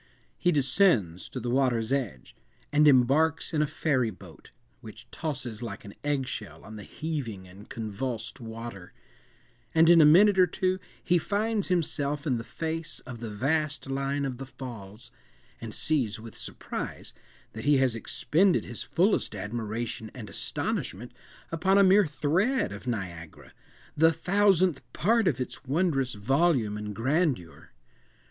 He descends to the water's edge, and embarks in a ferry boat, which tosses like an egg shell on the heaving and convulsed water; and in a minute or two he finds himself in the face of the vast line of the Falls, and sees with surprise that he has expended his fullest admiration and astonishment upon a mere thread of Niagara—the thousandth part of its wondrous volume and grandeur.